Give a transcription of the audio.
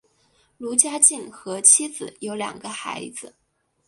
卢家进和妻子有两人孩子。